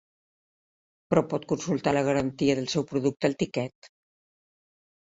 Però pot consultar la garantia del seu producte al tiquet.